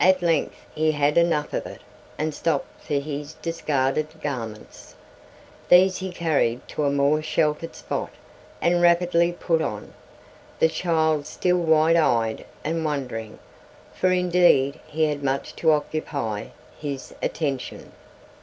At length he had enough of it and stooped for his discarded garments. These he carried to a more sheltered spot and rapidly put on, the child still wide eyed and wondering, for indeed he had much to occupy his attention.